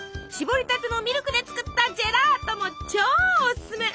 搾りたてのミルクで作ったジェラートも超おすすめ。